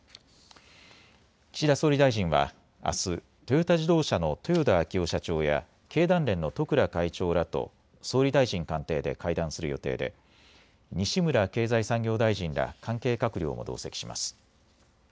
岸田総理大臣はあす、トヨタ自動車の豊田章男社長や経団連の十倉会長らと総理大臣官邸で会談する予定で西村経済産業大臣ら関係閣僚も同席します。